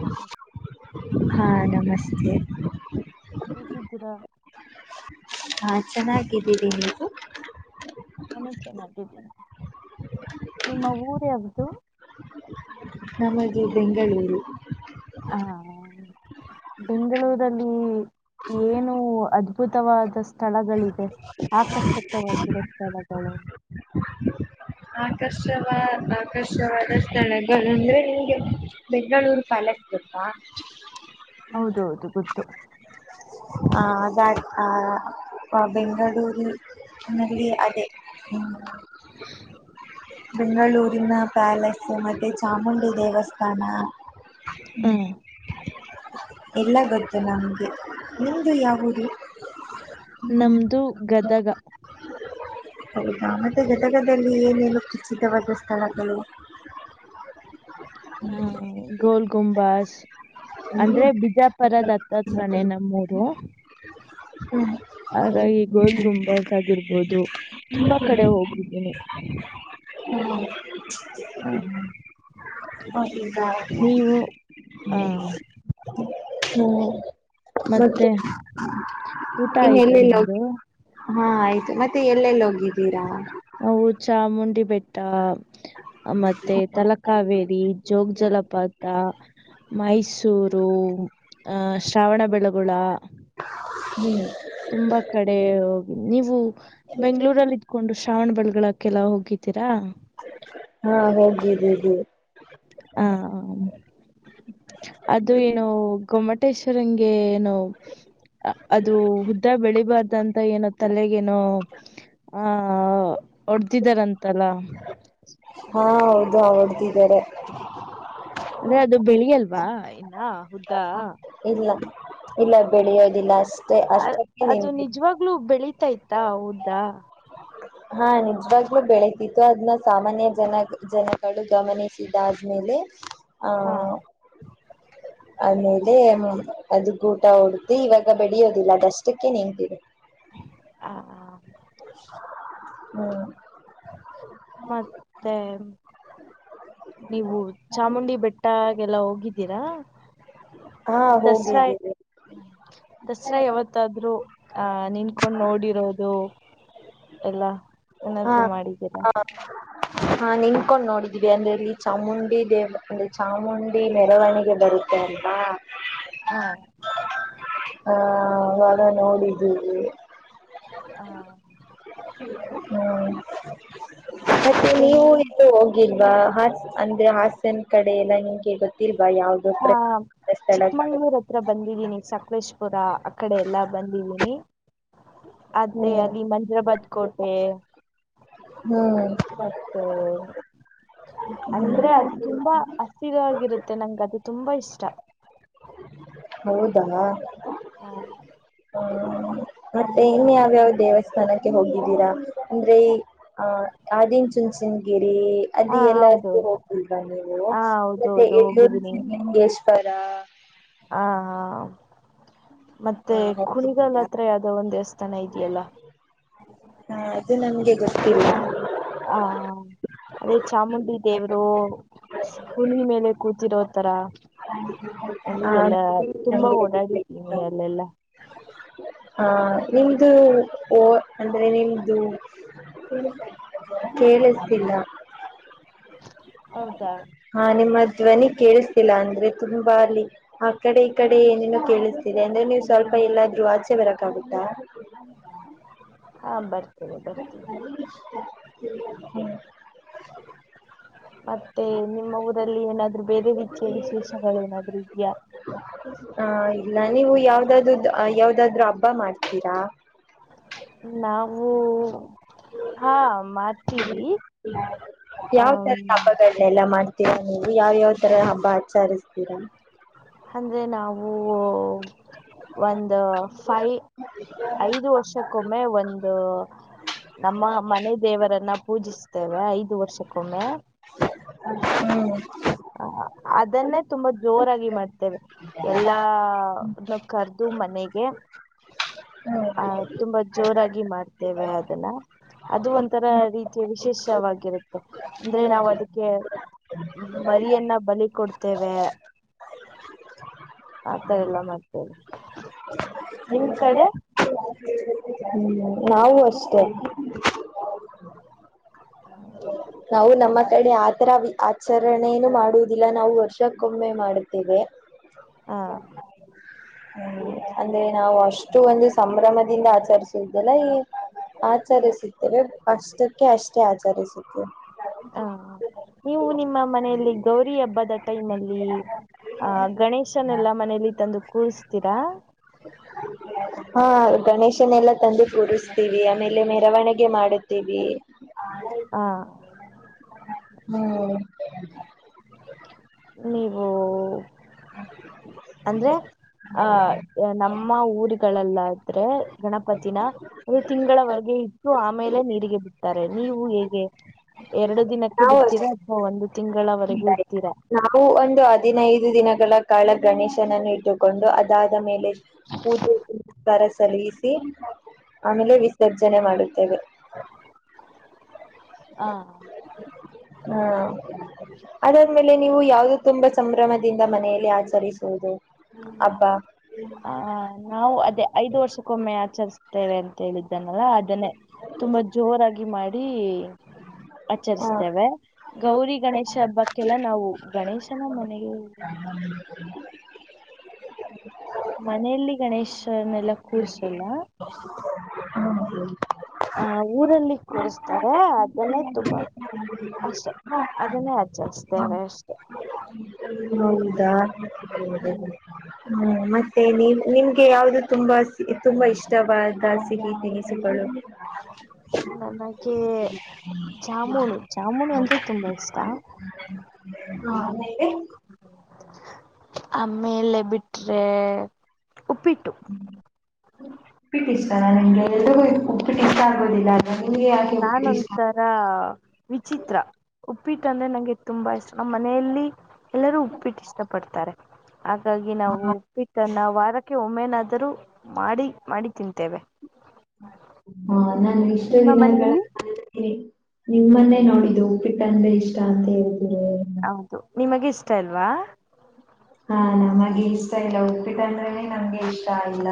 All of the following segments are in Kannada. ನಮಸ್ತೆ ಹಾ ನಸ್ತೆ ಹೇಗಿದ್ದೀರಾ ಹಾ ಚೆನ್ನಾಗಿದ್ದೀರಿ ನೀವು ನಾನು ಚೆನ್ನಾಗಿದ್ದೀನಿ ನಿಮ್ಮ ಊರ ಯಾವ್ದು ನಮಗೆ ಬೆಂಗಳೂರು ಹಾ ಬೆಂಗಳೂರಲ್ಲಿ ಏನು ಅದ್ಭುತವಾದ ಸ್ಥಳಗಳಿದೆ ಆಕರ್ಷಕವಾಗಿರೋ ಸ್ಥಳಗಳು ಆಕರ್ಷವಾ ಆಕರ್ಷವಾದ ಸ್ಥಳಗಳು ಅಂದ್ರೆ ನಿಂಗೆ ಬೆಂಗಳೂರು ಪ್ಯಾಲೆಸ್ ಗೋತ್ತಾ [unintelligible] ಹೌದು ಹೌದು ಗೊತ್ತು ಆ ಆ ಆ ಬೆಂಗಳೂರಿ ನಲ್ಲಿ ಅದೇ ಹ್ಮ ಬೆಂಗಳೂರಿನ ಪ್ಯಾಲೆ ಮತ್ತೆ ಚಾಮುಂಡಿ ದೇವಾಸ್ ಕಾನ ಹ್ಮ ಹ್ಮ್ ಎಲ್ಲ ಗದ್ದ ನಮಗೆ ನಿಮಂದು ಯವುದು ನಮದು ಗದಗ ಹ ಮತ್ತೆ ಗದಗದಲ್ಲಿ ಏನೇನು ಉಚಿತವಾದ ಸ್ಥಳಗಳು ಹಾ ಗೋಲ್ ಕುುಮಂಬಸ್ ಅಂದ್ರೆ ಬಿಜ ಪರದ ಹತ್ತತ್ರನೇ ನಮ್ಮೂರು ಹ್ಮ್ ಹಾಗಾಗಿ ಗೋಲ್ ಗುಂಬಾಸ್ ಆಗಿರ್ಬದು ಹೌದು ತುಂಬಾ ಕಡೆ ಹೋಗಿದ್ದೀನಿ ಹ್ಮ ಹ ಆ ಹ್ಮ ಮತ್ತೆ ಊಟ ಮೆ ಇನ್ನ ಆಯ್ತಾ ಎಲ್ಲ ನಿಮ್ದು ಹಾ ಆಯ್ತು ಮತ್ತೆ ಎಲ್ಲೆಲ್ಲಿ ಹೋಗಿದ್ರ ಹೌ ಚಾಮುಂಡಿ ಬೆಟ್ಟಾ ಮತ್ತೆ ತಲಕಾವೇರಿ ಜೋಗ ಜಲಪಾತ ಮೈಸೂರು ಅ ಶ್ರಾವಣಬೆಳಗುಳ ಹ್ಮ್ ತುಂಬಾ ಕಡೇ ನೀವು ಬೆಂಗಳೂರಲ್ಲಿ ಇದಕೊಂಡು ಶ್ರಾವಣ ಬೆಳೆಗಳಕ್ಕೆಲ್ಲ ಹೋಗಿದ್ದೀರಾ ಹಾ ಹೋಗಿದಿವಿ ಹ ಅದು ಏನೋ ಗೊಮಟೇಶ್ವರಂಗೆ ಏನೋ ಅದು ಹುದ್ದ ಬೆಳಿಬಾರ್ದ ಅಂತ ಏನೋ ತಲೆಗೇನೋ ಆಹ ಹೊಡದಿದಾರಂತಲ್ಲ ಹಾ ಹೌದು ಆ ಹೊಡಿದರೆ ಅದೇ ಅದು ಬೆಳಿಯಲ್ವಾ ಇನ್ನ ಹುದ್ದ ಇಲ್ಲ ಇಲ್ಲ ಬೆಳೆಯೋದಿಲ್ಲ ಅಷ್ಟೆ ಅಷ್ಟತ್ತ ನಿ [unintelligible] [unintelligible] ಆತ ಆಯ್ತಾ ಹೌದಾ ಹಾ ನಿಜವಾಗ್ಲೂ ಬೆಳತಿತ್ತು ಅದ್ನ್ನ ಸಾಮಾನ್ಯ ಜನ ಜನಗಳು ಗಮನಿಸಿದ ಆದ್ಮೇಲೆ ಹ ಆಮೇಲೆ ಅದು ಗುಟ ಹೊಡ್ಧಿ ಇವಾಗ ಬೆಳಿಯೋದಿಲ್ಲ ಅದಷ್ಟಕ್ಕೆ ನಿಂತಿದೆ ಹ ಹ ಹ್ಮ್ ಮತ್ತೆ ನೀವು ಚಾಮುಂಡಿ ಬೆಟ್ಟಾಗೆಲ್ಲ ಹೋಗಿದ್ದೀರಾ ಹಾ ದಸರಾ ಹೋಗಿದಿವಿ ದಸರಾ ಯಾವತ್ತಾದ್ರು ಆ ನಿನ್ಕೊಂಡ್ ನೋಡಿರೋದು ಎಲ್ಲ ಏನದ್ರ ಮಾಡಿ ಹ ಹಾ ನಿನ್ಕೊಂಡ್ ನೋಡಿದೀವಿ ಅಂದ್ರೆ ಇಲ್ಲಿ ಚಾಮುಂಡಿ ದೇವ ಅಂದ್ರೆ ಚಾಮುಂಡಿ ಮೆರವಣಿಗೆ ಬರುತ್ತೆ ಅಲ್ವ ಹಾ ಹ ಅವಾಗ ನೋಡಿದ್ದೀವಿ ಹಾ ಹ್ಮ್ ಮತ್ತೆ ನೀವು ಎಲ್ಲೂ ಹೋಗಿಲ್ವ [unintelligible] ಹ ಅಂದ್ರೆ ಹಾಸನ ಕಡೆ ಎಲ್ಲ ನಿಂಗೆ ಗೊತ್ತಿಲ್ಲ [unintelligible] ಯಾವವುದೋ [unintelligible] ಬಂದಿದೀನಿ ಸಕಲೇಶಪುರ ಆ ಕಡೆ ಎಲ್ಲ ಬಂದಿದ್ದೀನಿ ಅದೇ ಹ್ಮ್ ಅಲ್ಲಿ ಮಜರಾ ಬತ್ [unintelligible] ಕೋಟೆ ಹ್ಮ್ ಮತ್ತೆ ಅಂದ್ರೆ ಅದು ತುಂಬಾ ಅಸ್ರವಾಗಿರುತ್ತೆ ನಂಗ ಅದು ತುಂಬ ಇಷ್ಟ ಹೌದಾ ಹ್ಮ ಹ್ಮ್ ಮತ್ತೆ ಇನ್ ಯಾವ್ಯಾವ ದೇವಸ್ಥಾನಕ್ಕೆ ಹೋಗಿದ್ದೀರಾ ಅಂದ್ರೆ ಈ ಆಹ [unintelligible] ಆದಿಚುಂಚನಗಿರಿ ಹಾ ಅಲ್ಲಿ ಎಲ್ಲಕ್ಕೂ ಹೌದೌದು ಹೋಗಿಲ್ವ ನೀವು ಹಾ ಮತ್ತೆ ಹೌದೌದು ಯಡಿಯೂರು ಹೋಗಿದ್ದೀನಿ ಸಿದ್ದಲಿಂಗೇಶ್ವರ ಸರ ಹಾ ಹಾ ಮತ್ತೆ ಕುಣಿಗಲ್ ಹತ್ರ ಯಾವ್ದೋ ಒಂದ್ ದೇವಸ್ಥಾನ ಇದೆಯಲ್ಲ ಜಸ್ತಿಲ್ಲ [unintelligible] ದೇವ್ರೂ ಹುನಿ ಮೇಲೆ ಕೂತಿರೋ ತರ ಆ ನಮಿಗೆಲ್ಲಾ ತುಂಬಾ ನಮ್ಗೆ ಓಡಾಡಿದ್ದೀನಿ ಲ್ಲೆಲ್ಲ ಹ ನಿಮ್ದು ಓ ಅಂದ್ರೆ ನಿಮ್ದು [inaudible] ಕೇಳಿಸ್ತಿಲ್ಲ ಹೌದಾ ಹಾ ನಿಮ್ಮ ಧ್ವನಿ ಕೇಳಿಸ್ತಿಲ್ಲಾ ಅಂದ್ರೆ ತುಂಬಾ ಅಲ್ಲಿ ಆ ಕಡೆ ಈ ಕಡೆ ಏನೇನು ಕೇಳಿಸ್ತಿದೆ ಅಂದ್ರೆ ನೀವ್ ಸ್ವಲ್ಪ ಎಲ್ಲಾದ್ರು ಆಚೆ ಬರಕ್ಕಾಗುತ್ತಾ ಹಾ ಬರ್ತಿನೆ ಬರ್ತಿನೆ [unintelligible] ಮತ್ತೆ ನಿಮ್ಮ ಊರಲ್ಲಿ ಏನಾದ್ರು ಬೇರೆ ರೀತಿಯ ವಿಶೇಷಗಳೇನಾದ್ರು ಇದ್ಯಾ? ಹ ಇಲ್ಲ ನೀವು ಯಾವ್ದಾದ್ ಯಾವ್ದಾದ್ರು ಹಬ್ಬ ಮಾಡ್ತೀರಾ? ನಾವು ಹಾ ಮ ಹ್ಮ ಯಾವ್ ತರ ತಾಪಗಳ್ನ ಎಲ್ಲ ಮಾಡ್ ತಿರ ನೀವು ಯಾವ್ ಯಾವ್ ತರ ಹಬ್ಬ ಆಚಾರ್ಯ ಅಂದ್ರೆ ನಾವೂ ಹು ಒಂದು ಫೈ ಐದು ವರ್ಷಕ್ ಒಮ್ ಒಮ್ಮೆ ಒಂದು ನಮ್ಮ ಮನೆ ದೇವರನ್ ಪೂಜಿಸ್ತೇವೆ ಐದು ವರ್ಷಕ್ಕೊಮ್ಮೆ ಹ್ಮ್ ಅದನ್ನೇ ತುಂಬಾ ಜೋರಾಗಿ ಮಾಡ್ತೇವೆ, ಎಲ್ಲರ್ನೂ ಕರ್ದು ಮನೆಗೆ ಹ್ಮ್ ಆಹ್ ತುಂಬಾ ಜೋರಾಗಿ ಮಾಡ್ತೇವೆ ಅದನ್ನ, ಅದು ಒಂಥರ ರೀತಿಯ ವಿಶೇಷವಾಗಿರುತ್ತೆ ಅಂದ್ರೆ ನಾವ್ ಅದಿಕ್ಕೆ ಮರಿಯನ್ನ ಬಲಿ ಕೊಡ್ತೇವೆ, ಆತರ ಎಲ್ಲ ಮಾಡ್ತೇವೆ ನಿಮ್ ಕಡೆ ಹ್ಮ್ ನಾವು ಅಷ್ಟೇ ಹ ನಾವು ನಮ್ಮ ಕಡೆ ಆತರ ಆಚರಣೆನು ಮಾಡುವುದಿಲ್ಲ ನಾವು ವರ್ಷಕ್ಕೊಮ್ಮೆ ಮಾಡುತ್ತೇವೆ ಹಾ ಹ್ಮ್ ಅಂದ್ರೆ ನಾವು ಅಷ್ಟು ಒಂದು ಸಂಭ್ರಮದಿಂದ ಆಚರಿಸುದಲ್ಲ ಈ ಆಚರಿಸುತ್ತೇವೆ ಅಷ್ಟಕ್ಕೆ ಅಷ್ಟೇ ಆಚರಿಸುತ್ತೇವ್ ಹಾ ನೀವು ನಿಮ್ಮ ಮನೆಯಲ್ಲಿ ಗೌರಿ ಹಬ್ಬದ ಟೈಮಲ್ಲಿ ಆಹ್ ಗಣೇಶನೆೆಲ್ಲ ಮನೆಯಲ್ಲಿ ತಂದು ಕೂರ್ಸ್ತೀರಾ? ನೆಲ್ಲ ತಂದು ಕೂರಿಸ್ತೀವಿ ಆಮೇಲೆ ಮೆರವಣಿಗೆ ಮಾಡುತ್ತೀವಿ ಹಾ ಹ್ಮ್ ನೀವೂ ಅಂದ್ರೆ ಆಹ್ ನಮ್ಮ ಊರುಗಳಲ್ಲಾದ್ರೆ ಗಣಪತಿನ ಒಂದ್ ತಿಂಗಳವರೆಗೆ ಇಟ್ಟು ಆಮೇಲೆ ನೀರಿಗೆ ಬಿಡ್ತಾರೆ, ನೀವು ಹೇಗೆ ಎರಡು ದಿನಕ್ಕೆ ನಾವು ಅಷ್ಟೇ ಬಿಡ್ತೀರಾ ಅಥವಾ ಒಂದು ತಿಂಗಳವರೆಗೂ ಇಡ್ತೀರಾ? ನಾವು ಒಂದು ಹದಿನೈದು ದಿನಗಳ ಕಾಲ ಗಣೇಶನನ್ನು ಇಟ್ಟುಕೊಂಡು ಅದಾದ ಮೇಲೆ ಪೂಜೆ ಪುನಸ್ಕಾರ ಸಲ್ಲಿಸಿ ಆಮೇಲೆ ವಿಸರ್ಜನೆ ಮಾಡುತ್ [unintelligible] ಹಾ ಹಾ ಅದಾದ್ಮೇಲೆ ನೀವು ಯಾವ್ದು ತುಂಬಾ ಸಂಭ್ರಮ ಇಂದ ಮನೆಯಲ್ಲಿ ಆಚರಿಸುವುದು? ಹಬ್ಬ ಹ, ನಾವು ಅದೇ ಐದು ವರ್ಷ ಕ್ಕೊಮ್ಮೆ ಆಚರಿಸ್ತೇವೆ ಅಂತ ಹೇಳಿದ್ದನಲ್ಲ, ಅದನ್ನೇ ತುಂಬಾ ಜೋರಾಗಿ ಮಾಡಿ ಹ ಆಚರಿಸ್ತೇವೆ. ಗೌರಿ ಗಣೇಶ ಹಬ್ಬಕ್ಕೆಲ್ಲ ನಾವು ಗಣೇಶನ ಮನೆಗೆ ಮನೆಯಲ್ಲಿ ಗಣೇಶನೆಲ್ಲ ಕೂರ್ಸಲ್ಲ ಹ ಊರಲ್ಲಿ ಕೂರಿಸ್ತಾರೆ, ಅದನ್ನೇ, ತುಂಬಾ ಅಷ್ಟೆ. ಅದನ್ನೇ ಅಚರಿಸ್ತೇವೆ ಅಷ್ಟೆ. ಹೌದ? ಹ್ಮ್ [unintelligible] ಮತ್ತೆ ನೀವು, ನಿಮ್ಗೆ ಯಾವುದು ತುಂಬ, ತುಂಬಾ ಇಷ್ಟವಾದ ಸಿಹಿ ತಿನಿಸುಗಳು? ನನಗೆ ಜಾಮೂನು. ಜಾಮೂನು ಅಂದ್ರೆ ತುಂಬಾ ಇಷ್ಟ ಹಾ ಆಮೇಲೆ ಬಿಟ್ರೆ ಉಪ್ಪಿಟ್ಟು. ಉಪ್ಪಿಟ್ಟು ಇಷ್ಟಾನ ನಿಮಗೆ? ಎಲ್ರಿಗೂ ಉಪ್ಪಿಟ್ಟು ಇಷ್ಟ ಆಗೋದಿಲ್ಲ ಅಲ್ವಾ ನಿಮ್ಗೆ ಯಾಕೆ ನಾನು ಉಪ್ಪಿಟ್ಟು ಇಷ್ಟ ಒಂಥರಾ ವಿಚಿತ್ರ. ಉಪ್ಪಿಟ್ಟ ಅಂದ್ರೆ ನಂಗೆ ತುಂಬಾ ಇಷ್ಟ. ನಮ್ಮ ಮನೆಯಲ್ಲಿ ಎಲ್ಲರ್ಗೂ ಉಪ್ಪಿಟ್ಟು ಇಷ್ಟ. ಪಡ್ತಾರೆ. ಹಾಗಾಗಿ ನಾವು ಉಪ್ಪಿಟ್ವನ್ನ ವಾರಕ್ಕೆ ಒಮ್ಮೆನಾದ ಮಾಡಿ-ಮಾಡಿ ತಿಂತೇವೆ. ಹಾ [unintelligible] ನಾನು ಇಷ್ಟ ನಿಮ್ಮ ದಿನ ಮನೆಯಲ್ಲಿ [unintelligible] ನಿಮ್ ಮನೇಲ್ ಮಾಡಿದ್ದು. ಉಪ್ಪಿಟ್ ಅಂದ್ರೆ ಇಷ್ಟ ಅಂತ ಹೇಳಿ. ಹ್ಮ ಹೌದು ನಿಮಗೆ ಇಷ್ಟ ಅಲ್ವಾ? ಹಾ, ನಮಗೆ ಇಷ್ಟ ಇಲ್ಲ. ಉಪ್ಪಿಟ್ಟು ಅಂದ್ರನೆ ನಮ್ಗೆ ಇಷ್ಟ ಆಗಲ್ಲ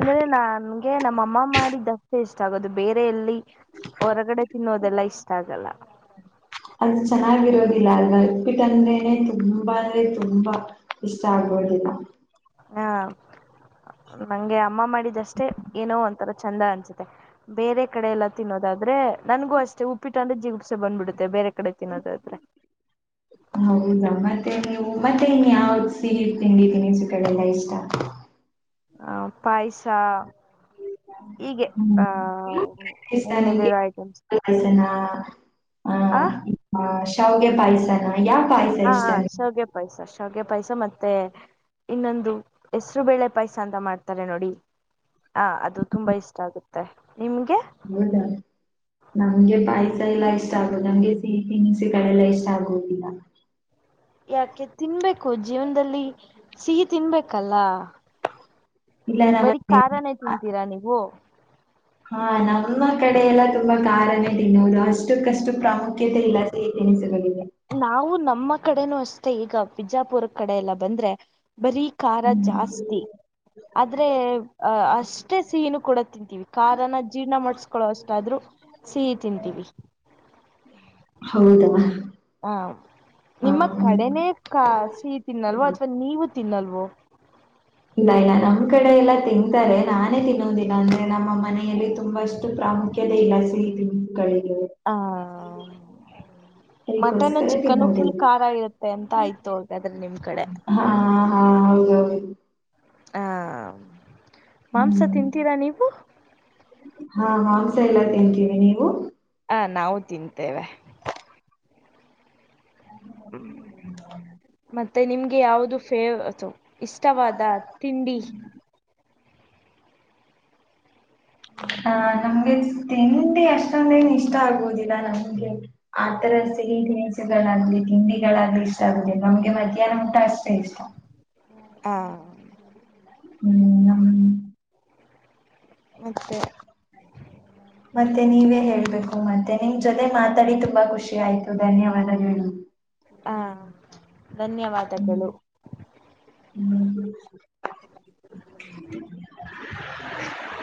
ಅಂದ್ರೆ ನನ ಗೆ ನಮ್ಮಮ್ಮ ಮಾಡಿದ್ದ ಇಷ್ಟ ಆಗೋದು, ಬೇರೆ ಎಲ್ಲಿ ಹೊರಗಡೆ ತಿನ್ನೋದೆಲ್ಲಾ ಇಷ್ಟ ಆಗಲ್ಲ. ಅದು ಚೆನ್ನಾಗಿರೋದಿಲ್ಲ. ಅಲ್ ಉಪ್ಪಿಟ್ಟು ಅಂದ್ರೇನೆ ತುಂಬಾ ಅಂದ್ರೆ ತುಂಬಾ ಇಷ್ಟ ಆಗೋದಿಲ್ಲ. ಹಾ ನಂಗೆ ಅಮ್ಮ ಮಾಡಿದಷ್ಟೇ ಏನೋ ಒಂಥರ ಚಂದ ಅನ್ಸುತ್ತೆ. ಬೇರೆ ಕಡೆ ಎಲ್ಲ ತಿನ್ನೋದಾದ್ರೆ ನನ್ಗೂ ಅಷ್ಟೇ ಉಪ್ಪಿಟ್ಟು ಅಂದ್ರೆ ಜಿಗುಪ್ಸೆ ಬಂದ್ಬಿಡುತ್ತೆ ಬೇರೆ ಕಡೆ ತಿನ್ನೋದಾದ್ರೆ ಹೌದಾ ಮತ್ತೆ ನೀವು ಮತ್ತೆ ಇನ್ ಯಾವ್ದ್ ಸಿಹಿ ತಿಂಡಿ ತಿನಿಸುಗಳು ಇಷ್ಟ ಹ ಪಾಯಸ ಹಗೆ ಹ್ಮ್ ಆಹ ಪಾಯಸನಿಗೆ ನಿಮ್ಮೆದರ ಐಟಮ್ಸ್ ಪಾಯಸನ ಆ ಶಾವಿಗೆ ಪಾಯಸನ ಯಾ ಪಾಯಸ ಇಷ್ಟಾರೆ [unintelligible] ಗೆ ಪಾಯಸ ಮತ್ತೆ ಇನ್ನೊಂದು ಹೆಸರು ಬೇಳೆ ಪಾಯಸ ಅಂತ ಮಾಡ್ತಾರೆ ನೋಡಿ ಹ ಅದು ತುಂಬಾ ಇಷ್ಟ ಆಗುತ್ತೆ ಮತ್ತೆ ನಿಮ್ಗೆ ಹೌದಾ ನಮ್ಗೆ ಪಾಯಸ ಎಲ್ಲಾ ಇಷ್ಟ ಆಗುದು ನಂಗೆ ಸಿಹಿ ತಿನಿಸಿ ಕಗಳೆಲ್ಲ ಇಷ್ಟ ಆಗುದಿಲ್ಲ ಯಾಕೆ ತಿನ್ಬೇಕು ಜೀವನದಲ್ಲಿ ಸಿಹಿ ತಿನ್ಬೇಕಲ್ಲ ಇಲ್ಲ ನಮ್ಮ ಬರೀ ಮನೆ- ಕಾರಖನೇ ತಿಂತೀರಾ ನೀವು ಹಾ ನಮ್ಮ ಕಡೆ ಎಲ್ಲ ತುಂಬಾ ಕಾರನೇ ತಿನ್ನೋರು ಅಷ್ಟಕ್ಕಷ್ಟು ಪ್ರಾಮುಖ್ಯ [unintelligible] ಇಲ್ಲಾ ಸಿಹಿ ತಿನಿಸು ಸಿಗಲಿಲ್ಲ [unintelligible] [inaudible] ನಾವು ನಮ್ಮ ಕಡೆನೂ ಅಷ್ಟೇ ಈಗ ಬಿಜಾಪುರ ಕಡೆ ಎಲ್ಲ ಬಂದ್ರೆ ಬರೀ ಖಾರ ಹ್ಮ್ ಜಾಸ್ತಿ ಆದ್ರೆ ಅಹ ಅಷ್ಟೇ ಸಿಹಿನೂ ಕೂಡ ತಿಂತೀವಿ ಖಾರನ ಜೀರ್ಣ ಮಾಡಸ್ಕೊಳ್ಳೋ ಅಷ್ಟಾದ್ರೂ ಸಿಹಿ ತಿಂತೀವಿ ಹೌದಾ ಹ ಆ ನಿಮ್ಮ ಕಡೆನೇ ಕ ಸಿಹಿ ತಿನ್ನಲ್ವ ಅಥವಾ ನೀವು ತಿನ್ನಲ್ವ ಇಲ್ಲ ಇಲ್ಲ ನಮ್ ಕಡೆ ಎಲ್ಲಾ ತಿಂತಾರೆ ನಾನೇ ತಿನ್ನೋದಿಲ್ಲ ಅಂದ್ರೆ ನಮ್ಮಮ್ಮ ಮನೆಯಲ್ಲಿ ತುಂಬಾ ಅಷ್ಟು ಪ್ರಾಮುಖ್ಯತೆ ಇಲ್ಲ ಸಿ ಕ [unintelligible] ಹ ಮಟನ್ ಅದಕ್ಕೋಸ್ಕರ ಚಿಕನ್ ತಿನ್ನೋದಿಲ್ಲ ಫುಲ್ ಖಾರ ಇರುತ್ತೆ ಅಂತ ಆಯ್ತು ಹಗೆ ಅದ್ರೆ ನಿಮ್ ಕಡೆ ಹಾ ಹಾ ಹೌದೌದು ಹ ಮಾಂಸ ಹ್ಮ್ ತಿಂತೀರಾ ನೀವು ಹಾ ಮಾಂಸ ಎಲ್ಲಾ ತಿಂತೀವಿ ನೀವು ಹ ನಾವು ತಿಂತೇವೆ ಮತ್ತೆ ನಿಮ್ಗೆ ಯಾವುದು ಫೇವ ಇಷ್ಟವಾದ ತಿಂಡಿ ಹ ನಮ್ಗೆ ತಿಂಡಿ ಅಷ್ಟೊಂದೇನು ಇಷ್ಟ ಆಗುವುದಿಲ್ಲ ನಮ್ಗೆ ಆತರ ಸಿಹಿ ತಿನಸುಗಳಾಗ್ಲಿ ತಿಂಡಿಗಳಾಗ್ಲಿ ಇಷ್ಟ ಆಗುದಿಲ್ಲ ನಮ್ಗೆ ಮಧ್ಯಾಹ್ನ ಊಟ ಅಷ್ಟೇ ಇಷ್ಟ ಹಾ ಹ್ಮ್ ಹ್ಮ ಮತ್ತೆ ಮತ್ತೆ ನೀವೇ ಹೇಳ್ಬೇಕು ಮತ್ತೆ ನಿಮ್ ಜೊತೆ ಮಾತಾಡಿ ತುಂಬಾ ಖುಷಿ ಆಯ್ತು ಧನ್ಯವಾದ ಹೇಳು ಹಾ ಧನ್ಯವಾದಗಳು ಹ್ಮ್